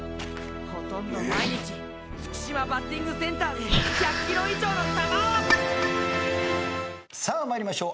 ほとんど毎日月島バッティングセンターで１００キロ以上の球をさあ参りましょう。